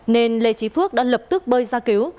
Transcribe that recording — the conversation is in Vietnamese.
nên lê trí phước đã lập tức bơi ra cứu